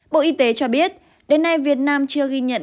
bộ y tế cho biết đến nay việt nam chưa ghi nhận